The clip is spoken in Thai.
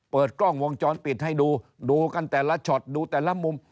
เปิดกล้องวงจรปิดให้ดูดูกันแต่ละช็อตดูแต่ละมุม